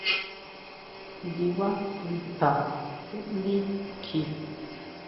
Ndibá nditja xi nbí kji.